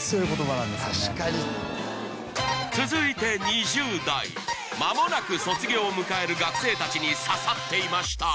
確かに続いて２０代間もなく卒業を迎える学生たちに刺さっていました